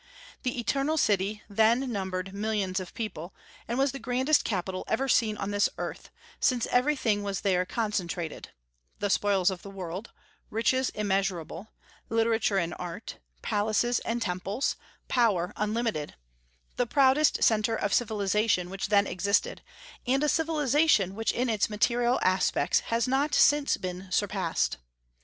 The "eternal city" then numbered millions of people, and was the grandest capital ever seen on this earth, since everything was there concentrated, the spoils of the world, riches immeasurable, literature and art, palaces and temples, power unlimited, the proudest centre of civilization which then existed, and a civilization which in its material aspects has not since been surpassed.